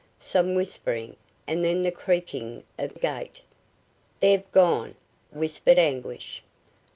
Some whispering, and then the creaking of the gate. "They've gone," whispered Anguish.